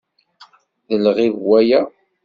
D lɣib waya.